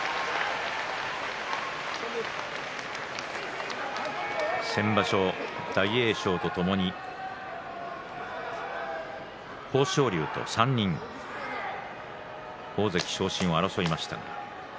拍手先場所、大栄翔とともに豊昇龍と３人大関昇進を争いました。